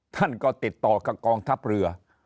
ท่านก็ติดต่อกับกองทัพเรือ